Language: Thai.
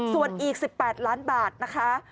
ส่วนอีก๑๘ล้านบาทนะคะ